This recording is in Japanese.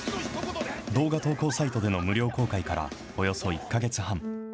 動画投稿サイトでの無料公開からおよそ１か月半。